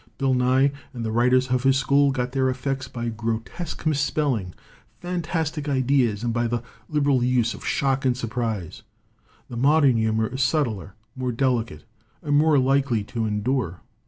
Bill Nye and the writers of his school got their effects by grotesque misspelling, fantastic ideas, and by the liberal use of shock and surprise. The modern humor is subtler, more delicate, and more likely to endure.